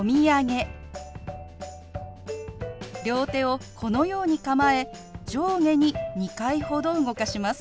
両手をこのように構え上下に２回ほど動かします。